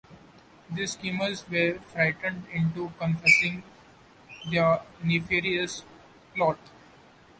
The schemers were frightened into confessing their nefarious plot.